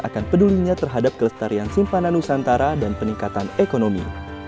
akan pedulinya terhadap kelestarian simpanan nusantara dan peningkatan ekonomi